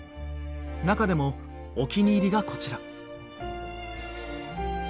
中でもお気に入りがこちら。